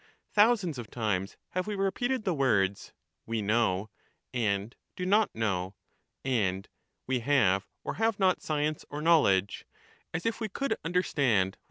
Thousands of times have we repeated the while we words 'we know,' and 'do not know,' and 'we have or have ignorant of not science or knowledge,' as if we could understand what ^^^^ V noyt